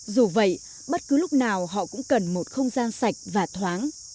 dù vậy bất cứ lúc nào họ cũng cần một không gian sạch và thoáng